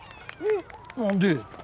何で？